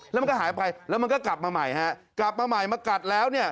แล้วมันก็หายไปแล้วมันก็กลับมาใหม่ฮะกลับมาใหม่มากัดแล้วเนี่ย